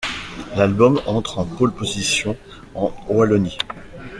L'album entre en pôle position en Wallonie.